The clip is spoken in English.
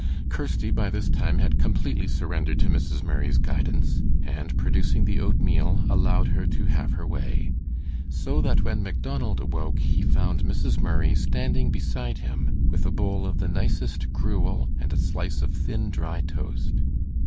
Kirsty, by this time, had completely surrendered to Mrs. Murray's guidance, and producing the oatmeal, allowed her to have her way; so that when Macdonald awoke he found Mrs. Murray standing beside him with a bowl of the nicest gruel and a slice of thin dry toast.